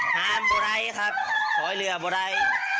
ทานบรัยครับสอยเหลือบรัย